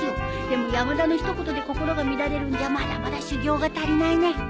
でも山田の一言で心が乱れるんじゃまだまだ修行が足りないね。